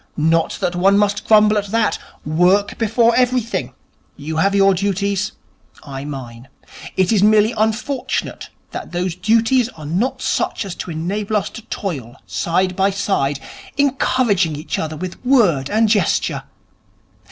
Not that one must grumble at that. Work before everything. You have your duties, I mine. It is merely unfortunate that those duties are not such as to enable us to toil side by side, encouraging each other with word and gesture.